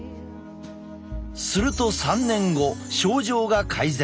すると３年後症状が改善。